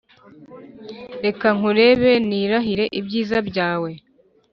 Reka nkurebe nirahire ibyiza byawe